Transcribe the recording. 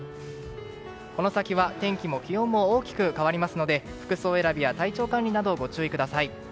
この先は天気も気温も大きく変わりますので服装選びや体調管理などご注意ください。